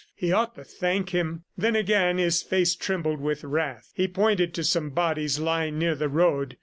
He ought to thank him. ... Then again his face trembled with wrath. He pointed to some bodies lying near the road.